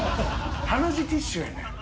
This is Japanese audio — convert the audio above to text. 鼻血ティッシュやねん。